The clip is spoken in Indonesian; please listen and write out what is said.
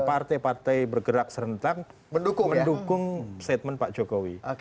partai partai bergerak serentak mendukung statement pak jokowi